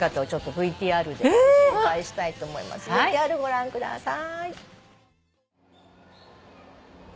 ＶＴＲご覧ください。